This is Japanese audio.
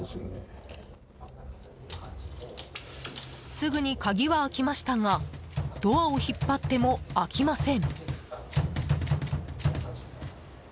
すぐに鍵は開きましたがドアを引っ張っても開きません。